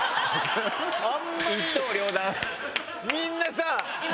みんなさ。